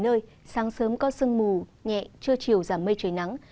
thủ đô hà nội sáng sớm có sương mù nhẹ trưa chiều giảm mây trời nắng